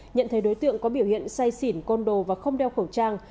nhận thấy đối tượng có biểu hiện say xỉn côn đồ và không đeo khẩu trang